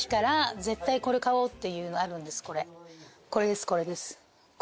これですこれです。